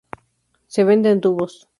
Se vende en tubos.